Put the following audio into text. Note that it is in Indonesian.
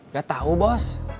gak tahu bos